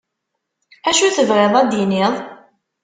Acu tebɣiḍ ad d-tiniḍ?